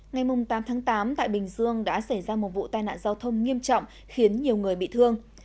ngày tám tháng tám tại bình dương đã xảy ra một vụ tai nạn giao thông nghiêm trọng khiến nhiều người bị thương